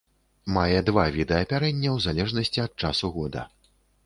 Мае два віды апярэння ў залежнасці ад часу года.